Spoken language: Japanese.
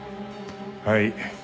はい。